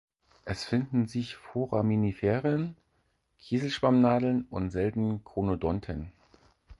Es finden sich Foraminiferen, Kieselschwamm-Nadeln und selten Conodonten.